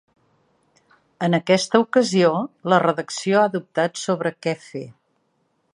En aquesta ocasió la redacció ha dubtat sobre què fer.